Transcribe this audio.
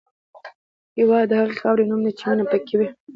هېواد د هغې خاورې نوم دی چې مینه پکې وي.